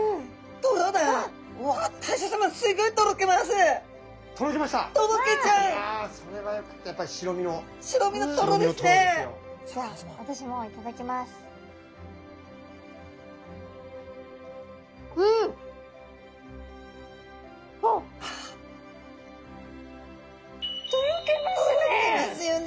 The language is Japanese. トロけますよね